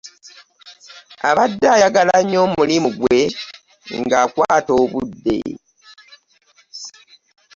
Abadde ayagala nnyo omulimu gwe ng'akwata obudde.